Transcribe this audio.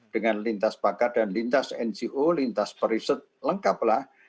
dengan lintas bakat dan lintas ngo lintas periset lengkap lah